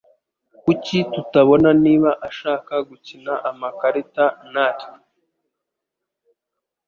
Kuki tutabona niba ashaka gukina amakarita natwe?